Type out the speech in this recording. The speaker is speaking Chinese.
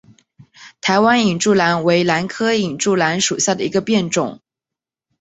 台湾隐柱兰为兰科隐柱兰属下的一个变种。